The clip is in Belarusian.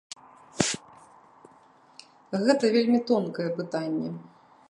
Гэта вельмі тонкае пытанне.